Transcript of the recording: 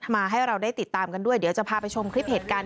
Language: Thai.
ให้เราได้ติดตามกันด้วยเดี๋ยวจะพาไปชมคลิปเหตุการณ์